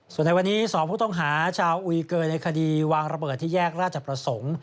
ส่วนในวันนี้๒ผู้ต้องหาชาวอุยเกยในคดีวางระเบิดที่แยกราชประสงค์